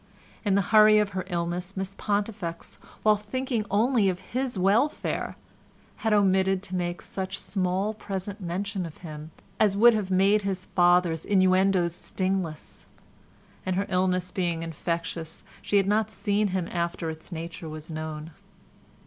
In the hurry of her illness Miss Pontifex, while thinking only of his welfare, had omitted to make such small present mention of him as would have made his father's innuendoes stingless; and her illness being infectious, she had not seen him after its nature was known.